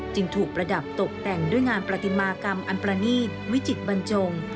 จึงถูกประดับตกแต่งด้วยงานประติมากรรมอันประนีตวิจิตบรรจง